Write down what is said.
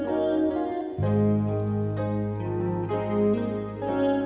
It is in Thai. ใจไม่รอ